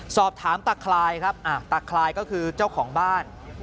สอบถามตาคลายครับตาคลายก็คือเจ้าของบ้าน